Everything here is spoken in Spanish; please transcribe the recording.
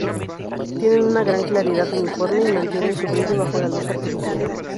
Tienen una gran claridad uniforme y mantienen su brillo bajo la luz artificial.